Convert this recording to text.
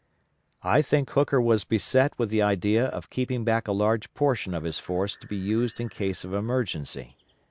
I think Hooker was beset with the idea of keeping back a large portion of his force to be used in case of emergency.